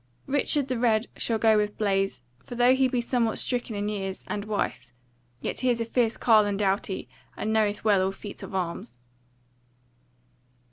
Richard the Red shall go with Blaise; for though he be somewhat stricken in years, and wise, yet is he a fierce carle and a doughty, and knoweth well all feats of arms.